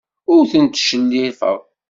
Ur ten-ttcellifeɣ.